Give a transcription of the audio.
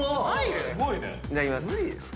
いただきます。